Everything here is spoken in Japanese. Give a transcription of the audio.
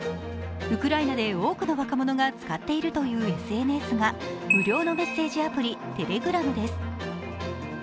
ウクライナで多くの若者が使っているというＳＮＳが無料のメッセージアプリ、テレグラムです。